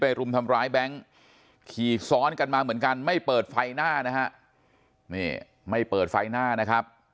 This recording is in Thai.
รุมทำร้ายแบงค์ขี่ซ้อนกันมาเหมือนกันไม่เปิดไฟหน้านะฮะนี่ไม่เปิดไฟหน้านะครับ